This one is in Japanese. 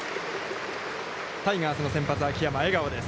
タイガースの先発秋山、笑顔です。